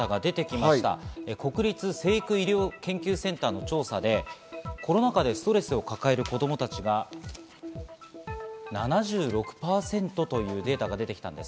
国立成育医療研究センターの調査でコロナ禍でストレスを抱える子供たちが７６％というデータが出てきたんです。